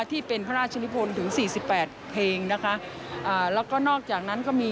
และงานนอกจากนั้นก็มี